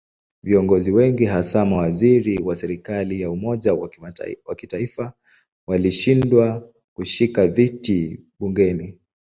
Viongozi wengi hasa mawaziri wa serikali ya umoja wa kitaifa walishindwa kushika viti bungeni.